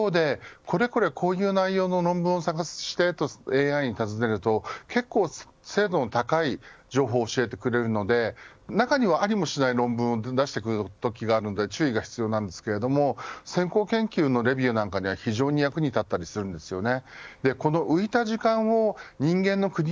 例えば多くの大学で学生のレポート作成にチャットＧＰＴの使用を禁止していますが一方で、これこれこういう内容の論文を作成してとＡＩに尋ねると結構精度の高い情報を教えてくれるので中にはありもしない論文を出してくるときがあるので注意が必要なんですけれども先行研究のレビューなんかでは非常に役に立ったりするんですよね。